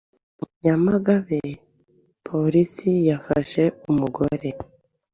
Nyamagabe: Polisi yafashe umugore